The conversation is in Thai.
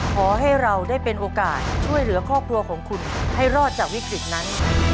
ขอให้เราได้เป็นโอกาสช่วยเหลือครอบครัวของคุณให้รอดจากวิกฤตนั้น